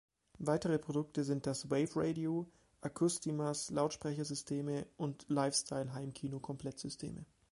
Weitere Produkte sind das „Wave Radio“, „Acoustimass“-Lautsprechersysteme und „Lifestyle“-Heimkino-Komplettsysteme.